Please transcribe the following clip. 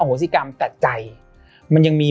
อโหสิกรรมแต่ใจ